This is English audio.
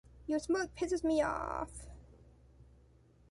Your smirk pisses me off.